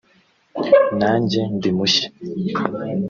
nanjye ndi mushya